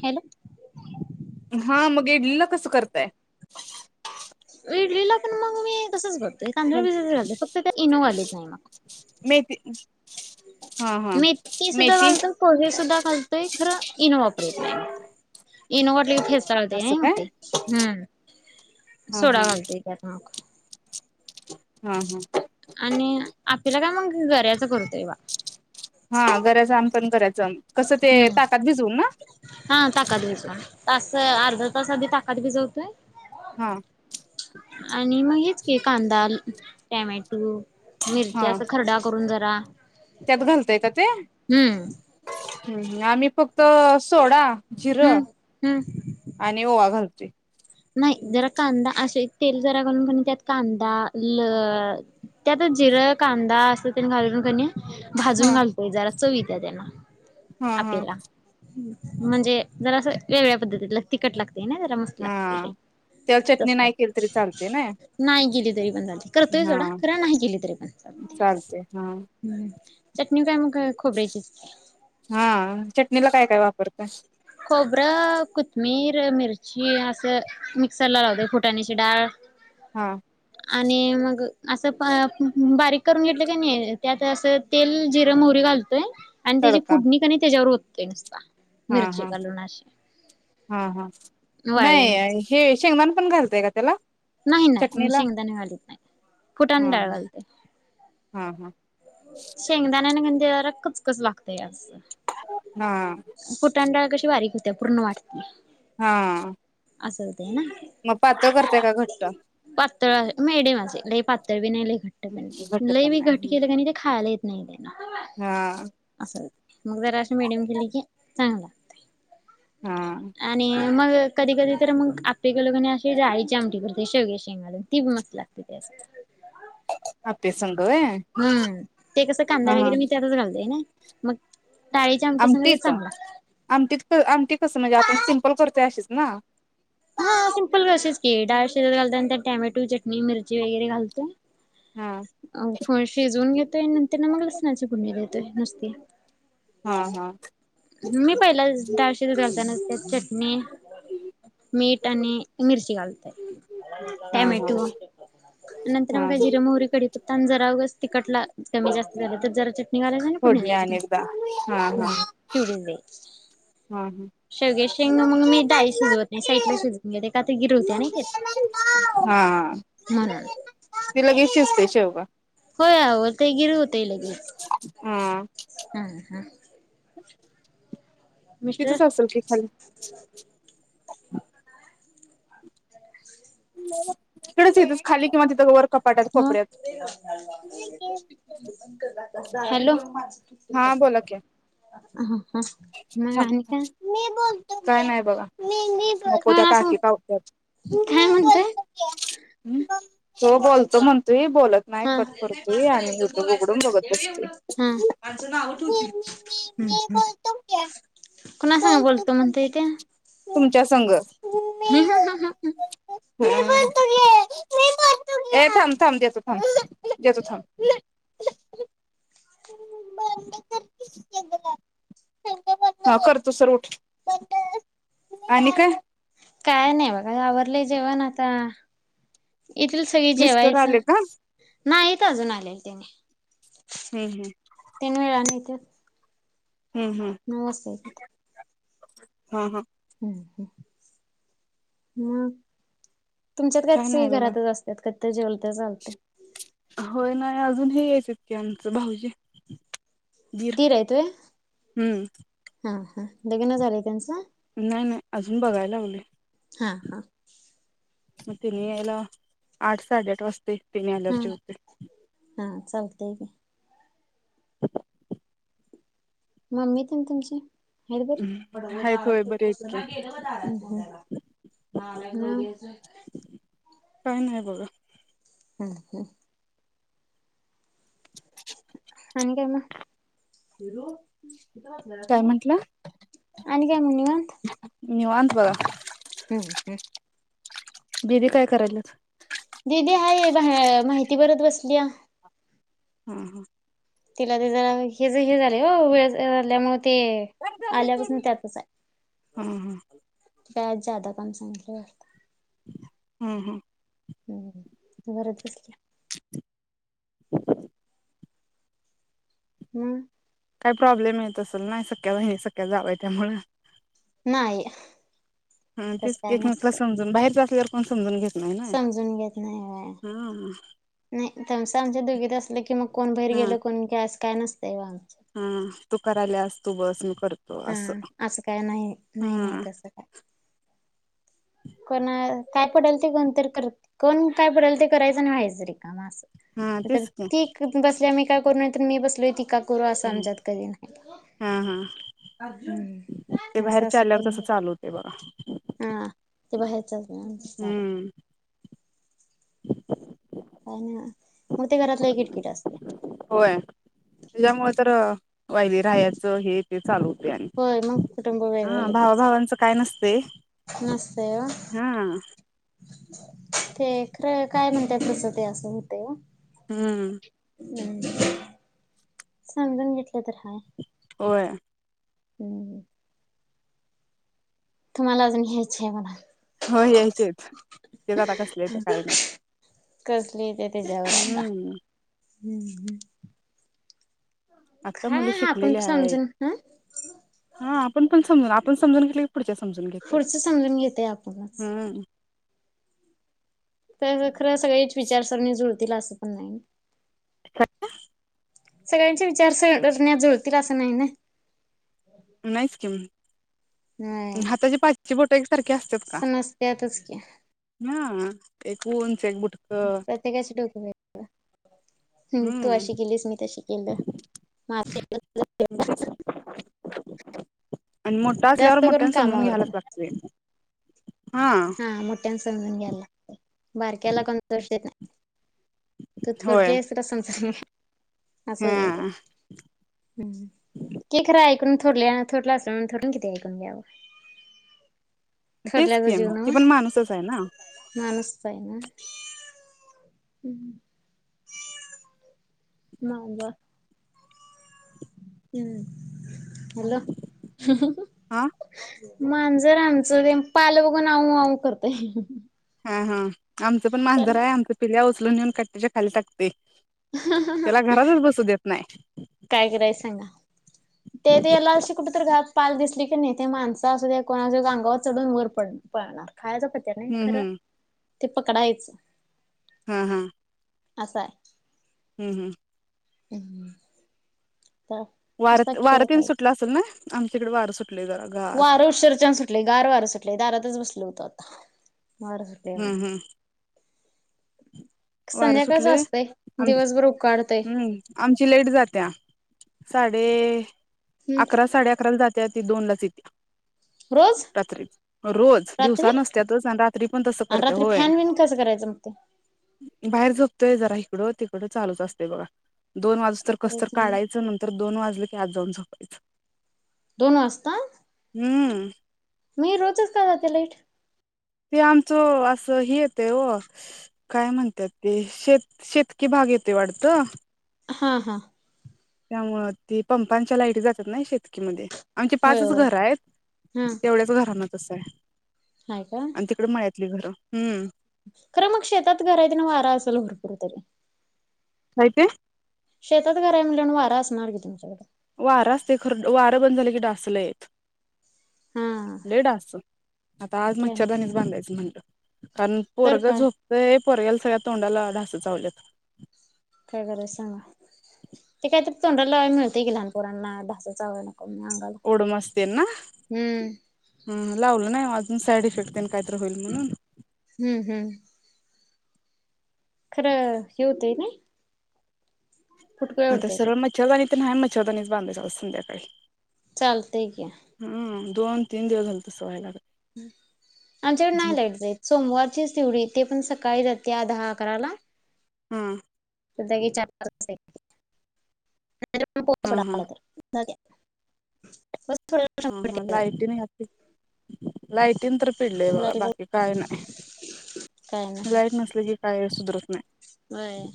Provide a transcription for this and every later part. Hello हा मग इडलीला कस करताय. ईडलीला पण मग मी तसंच बन तांदूळ भिजत घालतात फक्त इनोव दनाही म [inaudible] हा हा मेथी सुद्धा घालतोय पोहे सुद्धा घालतोय खरं इनो वापरत नाही मग ते इनो ने लई फेसाळते असं मग काय ते हम्म हा सोडा घालते त्यात मग हम्म हम्म आणि आपल्याला मग गऱ्याच करू तेव्हा हा घपण करायच हम्म हा ताकद भिजवून तास अर्धा तास आधी ताकद भिजव काय हा आणि मग हेच के कांदा टोमॅटो मिरची हा असं खरडा करून झाल. [inaudible] त्यात घालता येत ते? हम्म- आम्ही फक्त सोडा, हम्म जिरं हम्म आणि ओवा घालते. नाही जरा कांदा असे तेल जरा घालून कि नी त्यात कांदा ल त्यातच जिरं कांदा असं तेन घालून का नी भाजून हा घालतोय जरा चव येती दादांना हा हा आपल्याला---हं - म्हणजे? जरा असं वेगळ्या पद्धतीतल तिखट लागत ते [unintelligible] मसला हा त्याला चटणी तस. नाही केली तरी चालते ना नाही गेली तरी पण चालते. करतोय हा सोडा चालते हा [unintelligible] हं - चटणी काय म? हा- चटणीला काय काय वापर रता खोबरं, कोथमिर, मिरची असं- मिक्सर लावते फुटाण्याची डाळ हा आणि मग असं -बा बारीक करून घेतलं का नाही त्यात असं तेल जिरं मोहरी घालत आणि त्याची तडका फोडणीकनी त्याच्यावर ओत- ते निस्ता हा हा-हा-हा वाळली मिरची नाय हे शेंगदाण पण घालतय का त्याला? नाही. नाही. मी चटणीला शेंगदाणे घालीत नाही फुटाने हा डाळ घालते. हा हा [unintelligible] कचकच लागतय असं- हा फुटाणे डाळ कशी बारीक होते पूर्ण वाट हा. असं [unintelligible] ना मग पातळ करताय का घट्ट पातळ मिडीयम असे लई पातळ बी नाही लई घट्ट बी घट्ट नाही. लई पण बी घट नाही केलं [unintelligible] खायला येत नाही ना. हा असं मग जरा अशी मीडियम केली की चांगलं लागतंय हा मग कधी-कधी तर मग आपल्या [unintelligible] अशी डाळीची आमटी करते शेवगे शेंगालावून ती मस्त लागते त्या आप्पे संग व्हय? हम्म ते कसं कांदा वगैरे मी त्यातच घालते ना मग डाळीच्या आमटी संग ते आमटीचा चांगलं लागतं. आमटीत कसं आमटी कसं म्हणजे आपण सिम्पल करतोय अशीस ना हा सिम्पल अशीस की डाळ शिजत घालता नंतर टॅमॅटो चटणी, मिरची वगैरे घालतोय. हा अहो थोडा शिजवून घेत तो आणि नंतर न मग लसूनाची फोडणी देतोय नुस्ती. हा हा. मी पहिलाच डाळ शिजत घाल त्या नुसत्या चटणी, मीठ आणि मिरची घालतोय. हा हा टमॅटो नंतर मग हा काय जिर मोहरीच कडी तान जरा उगच तिकटला कमी जास्त झाले तर जरा ची फोण्या आणि [unintelligible] हा हा. हम्म. तेवढीच बाई, हा सगळया शेंगा मग मी डाळीत शिजवत नाही साईटला हा शिजवून घेते. का ते गिर होत्या नाही की. हां ती लगेच शिजते. [unintelligible] हो यावर ते गिर होतय लगेच. हां. हां हां. तिथंच असेल की खाली. [unintelligible] येतच खाली किंवा तिथं वर कपाटात नो कोपऱ्यात हॅलो हा बोला की आ हां. [unintelligible] काय नाय बघा. नको काय त्या ना असं काकी कावत्यात. काय म्हणताय? शिव बोलतो म्हण तू ही बोलत नाही हा. कट करतोय आणि युट्युब उघडून बघत बसतय. हा [unintelligible] कोणा संघ बोलतो म्हणते ते च्या संग होय हा हा. ए थांब थांब देतो थांब. देतो थांब [unintelligible] हा कर. तसर उठ [unintelligible] आणि काय? काय नाही बघा आवरलंय जेवण आता. येथील सगळी मिस्टर जेवायच. आले का हम्म नाहीत येत अजून आलेले. हम्म तेनी वेळाने येत्यात. हम्म हम्म नमस्ते. हा हा. मग? तुमच्यात काय नाही सगळी घरातच बघा असतात. आता जेवलते चालतेय. होय नाही अजून हे यायचं कि आमचं भाऊजी. दीर हाईत होय हम्म हा. हा लग्न झालंय त्यांचं. नाही नाही, अजून बघायला लागलोय. हां हां. मग तिनी यायला आठ साडेआठ वाजता. तिने त्यांनी आल्यावर जेवते. चांगते कि. मम्मी ते तुमची? र बर आहेत होय बरे आहेत की [unintelligible] काय नाही बघा हम ह. आणि काय म पिल्लू. काय म्हंटलं. आणि काय म्हवा बरं. हम्म हम्. दीदी काय करल्यात. दिदी आहेाय बाहे माहिती भरत बसल्या. ह ह तिला ते जरा हे ज हे झाले हो वेळ झाल्यामुळे. ते हम्म आल्यापासून त्यातच आहे. हम्म काय जादा काम चांगलं आता. हम्म हम्. हम्म घरात बसल्या. [inaudible] हम्म. काही प्रॉब्लेम येत असेल नाय, सख्या बहिणी सख्या जावा त्यामुळ. नाही हा तेच तस काय एकमेकला नसतं समजून बाहेरच असल्या पण समजून घ समजून घेत नाही बा, नाही तस आमच्या दुघीत असलं की, मग कोण बाहेर हा गेलं कोण अस. काय न हा तू कराल्यास असत. तू बस म कर हा असं काय नाही नाही नाही हा तसं काय? कोण काय पडेल ते कोणत करत कोण काय पडेल ते करायचं आणि व्हायचं रे का म अस. हा म तेच ती बसल्या मही काय करूनय तर मी बसलय ती का. करू असं की आमच्यात कधी नाही हा हा ते बाहेरच्या आल्यावर तसं चालू होतंय बघा हा. ते बाहेयरचंच म चालत. हम्म काय ना मग ते घरातलं एक किटकिट असते. होय त्याच्यामुळे तर वाहिली राहायचं हे ते चालू. होतंय आणि होय मग कुटुंब वेगळं हा भावा लगेच भावांचं काय नसतंय नसतय. हा ते ख काय म्हणतात तसं ते असं होते. हम्म. हम् समजून घेतली. कतहा आहेय. होय हगे तुम्हाला अजून हेच आहे मला हो यायचेच ते आता कसले ते काय नाही. कसलीे? तेजवता हम्म हम्म. आता मुली शिकलेली आहेत समजून ह हा आपण पण समज आपण समजून गे पुढचं समजून घेतय आपणच हम्म तेज सगळीच विचारसरणी जुळते. तला असं पण नाही. [inaudible] सगळ्यांचे विचार सरण्यात जुळतील असं नाही ना. नाही स्कीिम होय हाताची पाचश बोट सारखे असत का. समजत्यातच की हा एक उंच एक बुट प्रत्येकाच टोक ह हम् मा आणि मोठा असल्यावर जास्त करून मोठ्यानी समजून कामावरन घ्यालाच लागते. हा मुट्यान समजुन घ्याय लागतय बारकेला कोणतं [inaudible] येत नाही. [unintelligible] तू थोटी होय आहेस तुला समजत नाही असूनदेत हा हुं हे खरं खरं थोरल्या थोरल्या आसून थोरल्या किती ऐकून घ्यावं? तेच थोरल्याचा की ती पण माणूसच आहे ना. माणुसच आहे हम्म हं हॅलो हा मांजर आमचं ते पाल बघून आऊ आऊ करतय हा हा आमचं पण मांजर त्याला हाय आमच पिल्या किड नेवून खाटीच्या खाली टाकतय. त्याला घरातच बसू देत नाही काय करायचं सांगा ते त्याला अशी कुठ तर घात पाल दिसली कनी ते माणसं आसूदे कोण आसूदे अगावर चढून वर पळ पळणार खायाचा पत्या नाही हम्म खरं हम्म ते पकडायचं हा हा आस हाय हं हं [unintelligible] वार नुसता खेळ वारतेन पाहिजे. सुटल आसेल ना आमच्याइकड वार सुट वारं उशरचान सुटलय, गार वारं सुटलय दारातच बसले होतो. [unintelligible] वार सुटलय हं हम्म हम्म वारं सुटल आम दिवसभर उकाडतय हू आमची लाईट जातिया साडे हम्म अकरा साडे अकराला जात त्या ती दोनलाच येतिया रोज रात्री, रोज. रात्री दिवसा नसत्यातच आणि रात्री पण तसं आणि करत्या. रात्री होय. फॅन बिन कसं करायचं मग ते बाहेर झोपतोय जरा इकडं तिकडं चालूच असतय बघा. दोन वाजूस तर काय कस तर करायचं मग काढायचं नंतर दोन वाजल की आत जाऊन झोप [inaudible] दोन वाजता? हं. नाही, रोजच का जाते लाईट? ते आमचं असं हे येतंय ओ. काय म्हणत्यात? ते शेत शेतकी भाग येतोय वाटत. हां हां. त्यामुळ ती पंपांच्या लाईट जातात ना शेतकीमध्ये. आमची होय पाचच होय घर आहेत. हा तेवढ्याच घरा मध्ये तस आहे. हाय का? ली घर. हं. खरं मग शेतात घर येत ना वारा असल भरपूर तरी. काय ते? शेतात घर आहे म्हणल्यावर वारा असणार की तुमच्याकड. वारा असते खरं. वारं बंद झालं की डास लंय येत. हा लई डास. आता आज ते आणि मच्छरदानीच बांधायचं म्हणलं. कारण तर पोरगं काय झोपतये पोरग्याला सगळ्या तोंडाला डास चावल्यात. काय करायच सांगा? ते काहीतरी तोंडाला लावायला मिळतेय की लहान पोरांना डास चावायला. नको म्हणून अंगाला. ओडोमास तेल ना? हम्म हं, लावलं नाही ओ आज साईड इफेक्ट तेन काहीतरी होईल म्हणून. हं हं. खरं, हे होतेंय नाही? फुटकुळ्या आता उडत्या त्या. सरळ मच्छरदाणी तर न्हाय मच्छरदाणीच बांधायचो आओ संध्याकाळी. चालतय की हम्म दोन, तीन दिवस झाल, तस व्हाय लागलंय. आमच्याकड नाही झोप लाईट जाई. सोमवारचीच तेवढी ते पण स काय जातीया दहा अकराला. हां, तर लगेच या चार पाच तासानी. हं [unintelligible] दाद्या, हा हा लाईटिन आपली. लायटिन तर पिडलय जात्या बघा. लाईट बाकी काय नाही, काय लाईट नसले की काय सुधरत नाही. व्हय.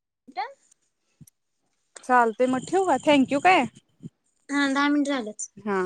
[unintelligible] चालते मग ठेवू का थँंक्यू काय. हम्म दहा मिनिटे झाले. हा.